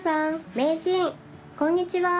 こんにちは。